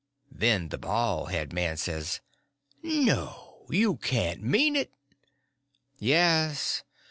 Then the baldhead says: "No! you can't mean it?" "Yes.